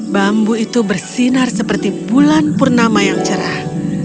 bambu itu bersinar seperti bulan purnama yang cerah